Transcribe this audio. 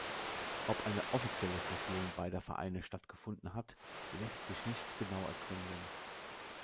Ob eine offizielle Fusion beider Vereine stattgefunden hat, lässt sich nicht genau ergründen.